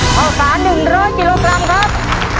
ข้าวสาร๑๐๐กิโลกรัมครับ